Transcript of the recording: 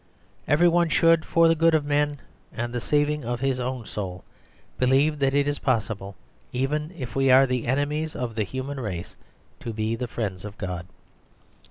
Every one should, for the good of men and the saving of his own soul, believe that it is possible, even if we are the enemies of the human race, to be the friends of God.